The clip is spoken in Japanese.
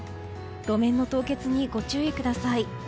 路面の凍結にご注意ください。